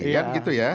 kan gitu ya